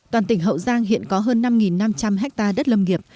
toàn tỉnh hậu giang hiện có hơn năm năm trăm linh hectare đất lâm nghiệp